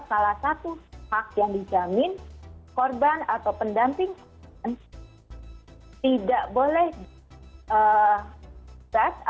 salah satu hak yang dijamin korban atau pendamping korban